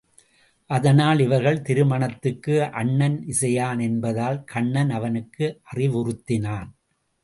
அதனால் இவர்கள் திருமணத்துக்கு அண்ணன் இசையான் என்பதால் கண்ணன் அவனுக்கு அறிவுறுத்தினான்.